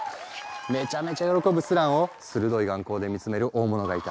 めちゃめちゃ喜ぶスランを鋭い眼光で見つめる大物がいた。